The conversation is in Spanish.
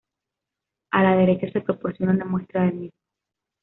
A la derecha se proporciona una muestra del mismo.